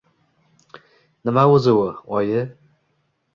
Nima o’zi u, oyi?